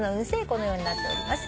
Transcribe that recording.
このようになっております。